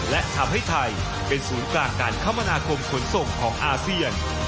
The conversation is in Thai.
และทำให้ไทยเป็นศูนย์กลางการคมนาคมขนส่งของอาเซียน